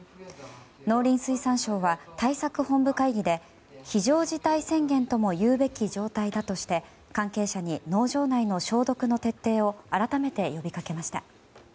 農林水産省は対策本部会議で非常事態宣言ともいうべき状態だとして関係者に農場内の消毒の徹底を改めて呼びかけました。